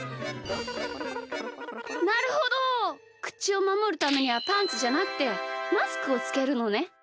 くちをまもるためにはパンツじゃなくてマスクをつけるのね。